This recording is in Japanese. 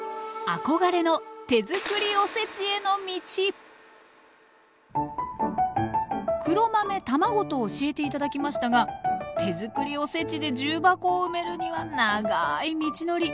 突然ですが黒豆卵と教えて頂きましたが手づくりおせちで重箱を埋めるには長い道のり。